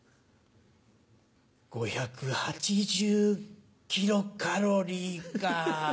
５８０キロカロリーか。